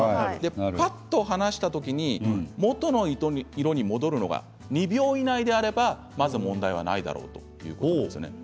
ぱっと離した時に元の色に戻るのが２秒以内であれば、まず問題ないだろうということです。